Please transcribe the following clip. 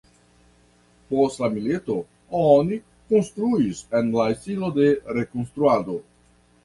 Post la milito oni konstruis en la stilo de rekonstruado.